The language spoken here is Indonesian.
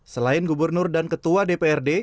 selain gubernur dan ketua dprd